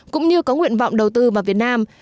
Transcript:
cũng như có nguyện vọng đầu tư vào việt nam